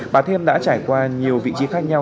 bà thêm đã trải qua nhiều vị trí khác nhau